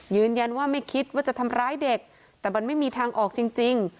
ยืนยันว่าไม่คิดว่าจะทำร้ายเด็กแต่มันไม่มีทางออกจริง